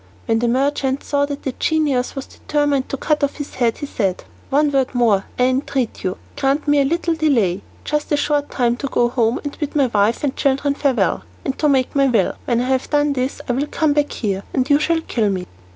When the merchant saw that the genius was determined to cut off his head, he said: "One word more, I entreat you. Grant me a little delay; just a short time to go home and bid my wife and children farewell, and to make my will. When I have done this I will come back here, and you shall kill me."